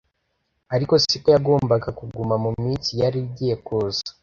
ariko siko yagombaga kuguma mu minsi yari igiye kuza.